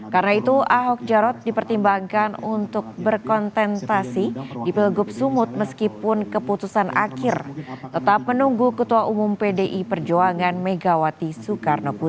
karena itu ahok jarot dipertimbangkan untuk berkontentasi di pilgub sumut meskipun keputusan akhir tetap menunggu ketua umum pdi perjuangan megawati soekarno putri